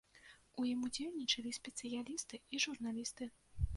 У ім удзельнічалі спецыялісты і журналісты.